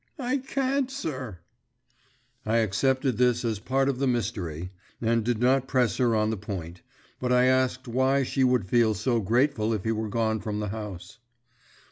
"I can't, sir." I accepted this as part of the mystery, and did not press her on the point, but I asked why she would feel so grateful if he were gone from the house.